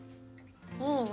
いいの。